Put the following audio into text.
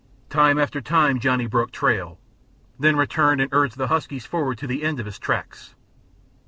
Time after time Johnny broke trail, then returned and urged the huskies forward to the end of his tracks.